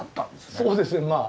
そうですねまあ。